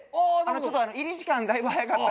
ちょっと入り時間だいぶ早かった。